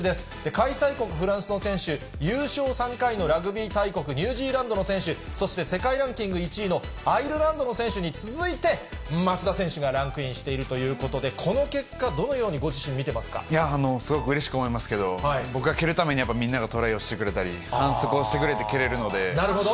開催国フランスの選手、優勝３回のラグビー大国、ニュージーランドの選手、そして世界ランキング１位のアイルランドの選手に続いて松田選手がランクインしているということで、この結果、どのようにご自身、すごくうれしく思いますけど、僕が蹴るために、みんながトライをしてくれたり、反則をしてくれなるほど。